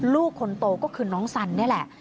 ลูกคนโตก็คือน้องสันนี่แหละ